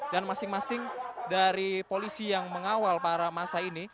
dan masing masing dari polisi yang mengawal para masa ini